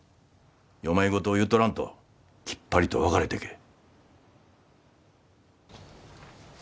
世まい言を言うとらんときっぱりと別れてけえ。